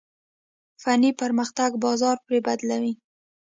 فني پرمختګ بازار پرې بدلوي.